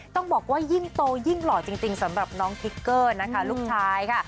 ต้องบอกว่ายิ่งโตยิ่งหล่อจริงสำหรับน้องทิกเกอร์นะคะลูกชายค่ะ